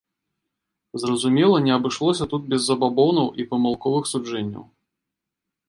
Зразумела, не абышлося тут без забабонаў і памылковых суджэнняў.